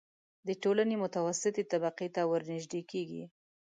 د ټولنې متوسطې طبقې ته ورنژدې کېږي.